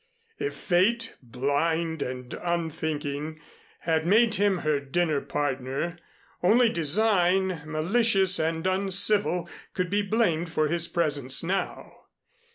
If fate, blind and unthinking, had made him her dinner partner, only design, malicious and uncivil, could be blamed for his presence now.